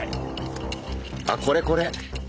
あこれこれ。